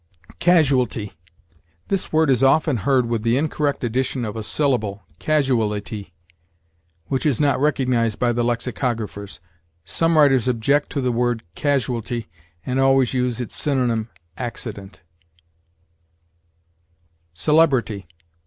CASUALTY. This word is often heard with the incorrect addition of a syllable, casuality, which is not recognized by the lexicographers. Some writers object to the word casualty, and always use its synonym accident. CELEBRITY.